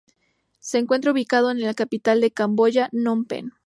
Se encuentra ubicado en la capital de Camboya, Nom Pen.